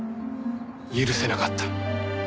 許せなかった。